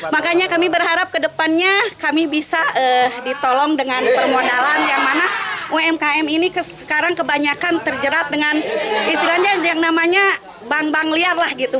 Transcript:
makanya kami berharap ke depannya kami bisa ditolong dengan permodalan yang mana umkm ini sekarang kebanyakan terjerat dengan istilahnya yang namanya bank bank liar lah gitu